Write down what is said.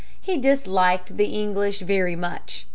He disliked the English very much.